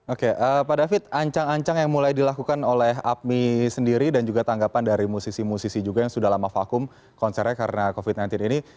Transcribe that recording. oke pak david ancang ancang yang mulai dilakukan oleh apmi sendiri dan juga tanggapan dari musisi musisi juga yang sudah lama vakum konsernya karena covid sembilan belas ini